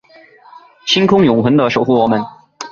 星空永恒的守护我们